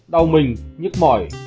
đau mình nhức mỏi